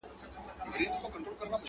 خر د خوني په مابین کي په نڅا سو؛